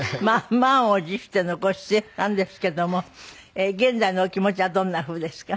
満を持してのご出演なんですけども現在のお気持ちはどんなふうですか？